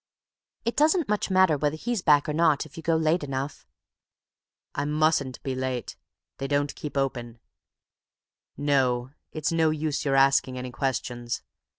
"It doesn't much matter whether he's back or not if you go late enough." "I mustn't be late. They don't keep open. No, it's no use your asking any questions.